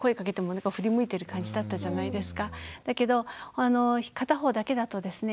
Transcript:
だけど片方だけだとですね